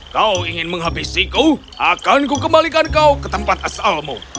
kau ingin menghabisiku akanku kembalikan kau ke tempat asalmu